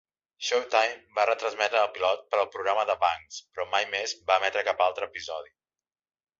Showtime va retransmetre el pilot per al programa de Banks, però mai més va emetre cap altre episodi.